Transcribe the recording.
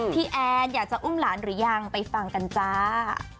แอนอยากจะอุ้มหลานหรือยังไปฟังกันจ้า